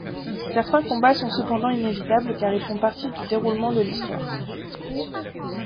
Certains combats sont cependant inévitables car ils font partie du déroulement de l’histoire.